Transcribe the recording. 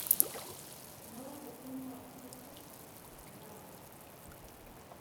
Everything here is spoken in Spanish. Nodos de culmos expuestos; glabros.